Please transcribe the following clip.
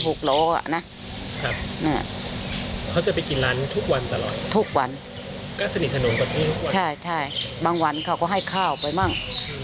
ตัวของแม่ค้านี่เขามีแฟนมีสามีมีอะไรอย่างนี้